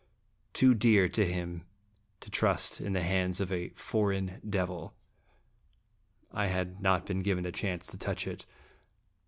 Too dear to him to trust in the hands of a "foreign devil," I had not been given a chance to touch it.